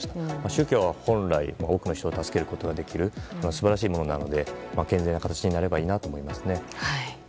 宗教は本来多くの人を助けることができる素晴らしいものなので健全な形になればいいなと思います。